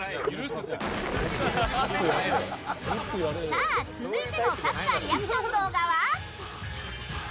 さあ、続いてのサッカーリアクション動画は？